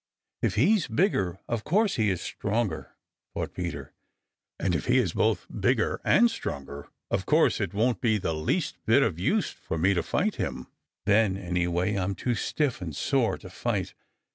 "If he's bigger, of course he is stronger," thought Peter, "and if he is both bigger and stronger, of course it won't be the least bit of use for me to fight him. Then, anyway, I'm too stiff and sore to fight.